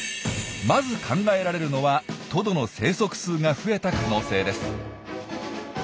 まず考えられるのはトドの生息数が増えた可能性です。